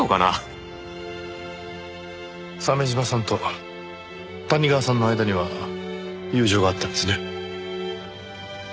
鮫島さんと谷川さんの間には友情があったんですね。